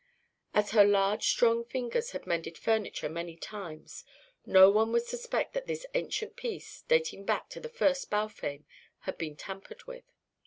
As her large strong fingers had mended furniture many times, no one would suspect that this ancient piece (dating back to the first Balfame) had been tampered with.